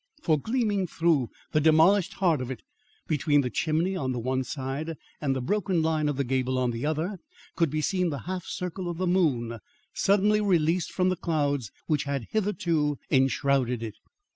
For gleaming through the demolished heart of it, between the chimney on the one side and the broken line of the gable on the other could be seen the half circle of the moon suddenly released from the clouds which had hitherto enshrouded it.